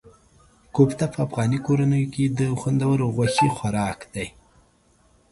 کوفته په افغاني کورنیو کې د خوندورو غوښې خوراک دی.